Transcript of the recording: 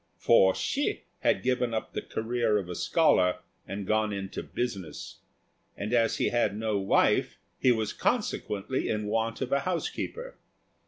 For Hsi had given up the career of a scholar, and gone into business; and as he had no wife, he was consequently in want of a housekeeper.